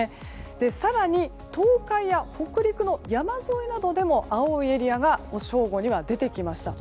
更に東海や北陸の山沿いなどでも青いエリアが正午には出てきました。